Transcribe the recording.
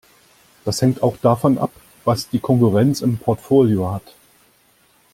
Das hängt auch davon ab, was die Konkurrenz im Portfolio hat.